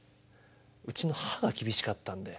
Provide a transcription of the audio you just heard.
うちの母が厳しかったんで。